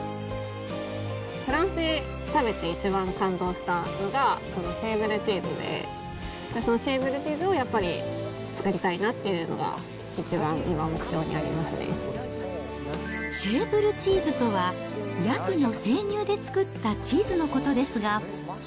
フランスで食べて一番感動したのが、シェーブルチーズで、そのシェーブルチーズをやっぱり作りたいなっていうのが一番今目シェーブルチーズとは、ヤギの生乳で作ったチーズのことですが。